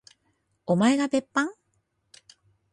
おまえが別班？